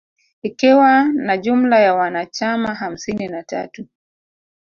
Ikiwa na jumla ya wanachama hamsini na tatu